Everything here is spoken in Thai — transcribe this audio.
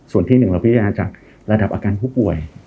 ส่วนที่๑เราพิจารณาจากระดับอาการผู้ป่วย